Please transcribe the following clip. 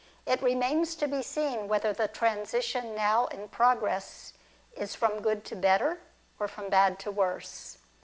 It remains to be seen whether the transition now in pro gress is from good to better, or from bad to worse.